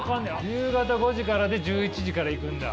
夕方５時からで１１時から行くんだ。